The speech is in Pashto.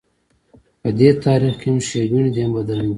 په دې تاریخ کې هم ښېګڼې دي هم بدرنګۍ.